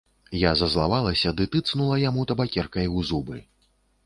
Я зазлавалася ды тыцнула яму табакеркай у зубы.